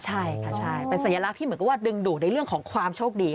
ใช่เป็นสัญลักษณ์ที่เหมือนดึงดูดในเรื่องของความโชคดี